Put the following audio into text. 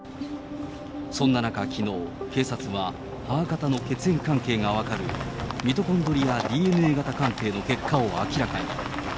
そんな中、きのう、警察は母方の血縁関係が分かるミトコンドリアＤＮＡ型鑑定の結果を明らかに。